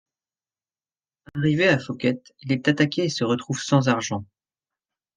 Arrivé à Phuket, il est attaqué et se retrouve sans argent.